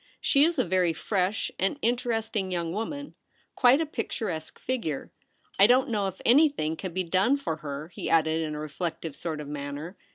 'She is a very fresh and Interesting young woman — quite a picturesque figure. I don't know if anything can be done for her,' he added, In a reflective sort of manner.